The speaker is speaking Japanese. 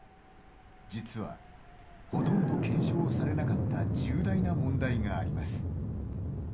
実は、ほとんど検証されなかった重大な問題があります。